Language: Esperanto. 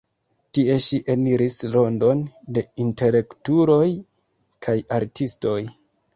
Tie ŝi eniris rondon de intelektuloj kaj artistoj.